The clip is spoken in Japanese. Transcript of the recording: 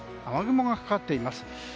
雨雲がかかっています。